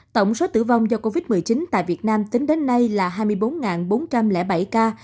tổng số tử vong do covid một mươi chín tại việt nam tính đến nay là hai mươi bốn bốn trăm linh bảy ca